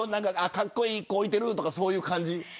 かっこいい子居てるとかそういう感じ。